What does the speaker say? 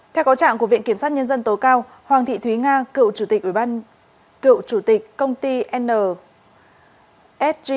theo có trạng của viện kiểm sát nhân dân tố cao hoàng thị thúy nga cựu chủ tịch công ty nsg